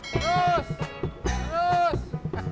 terus terus terus